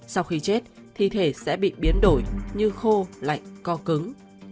sau khi chết thì thể sẽ bị biến đổi như khô lạnh co cứng